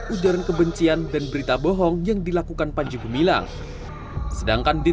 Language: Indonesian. ujaran kebencian dan berita bohong yang dilakukan panji gumilang sedangkan di